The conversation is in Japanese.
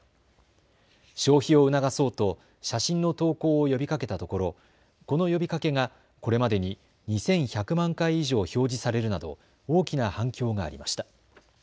消費を促そうと写真の投稿を呼びかけたところ、この呼びかけがこれまでに２１００万回以上表示されるなど大きな反響がありました。